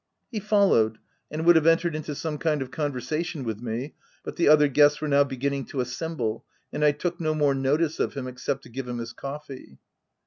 He followed, and would have entered into some kind of conversation with me, but the other guests were now beginning to assemble and I took no more notice of him, except to give him his coffee.